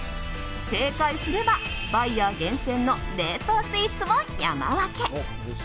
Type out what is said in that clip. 正解すればバイヤー厳選の冷凍スイーツを山分け！